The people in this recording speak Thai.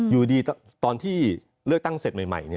อยู่ดีตอนที่เลือกตั้งเสร็จใหม่